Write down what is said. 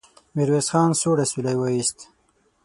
ميرويس خان سوړ اسويلی وايست.